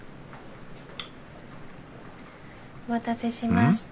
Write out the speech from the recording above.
お待たせしました。